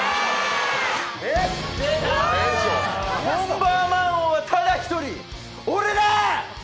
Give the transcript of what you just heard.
ボンバーマン王はただ１人、俺だ！